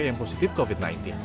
yang positif covid sembilan belas